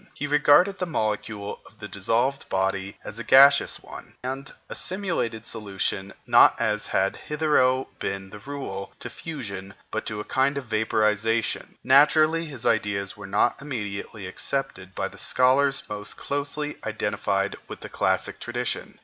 He regarded the molecule of the dissolved body as a gaseous one, and assimilated solution, not as had hitherto been the rule, to fusion, but to a kind of vaporization. Naturally his ideas were not immediately accepted by the scholars most closely identified with the classic tradition.